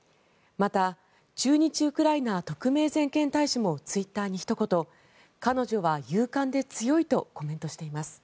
また駐日ウクライナ特命全権大使もツイッターにひと言彼女は勇敢で強いとコメントしています。